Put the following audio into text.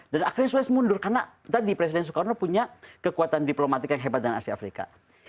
dan akhirnya suez mundur karena tadi presiden soekarno punya kekuatan diplomatik yang hebat dengan asia afrika